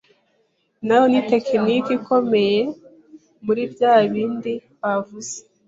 nayo ni tekinike ikomeye muri byabindi bavuze